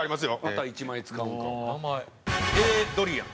また１枚使うんか。